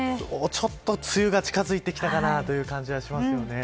ちょっと梅雨が近づいてきたかなという感じがします。